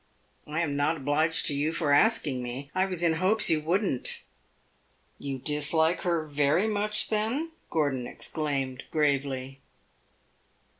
"I am not obliged to you for asking me. I was in hopes you would n't." "You dislike her very much then?" Gordon exclaimed, gravely.